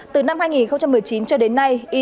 từ năm hai nghìn một mươi chín cho đến nay